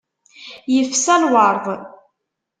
Yefsa lwerḍ.